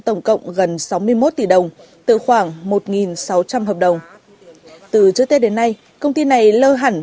tổng cộng gần sáu mươi một tỷ đồng từ khoảng một sáu trăm linh hợp đồng từ trước tết đến nay công ty này lơ hẳn